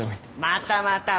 またまた。